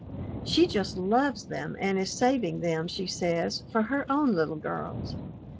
She just loves them and is saving them, she says, for her own little girls.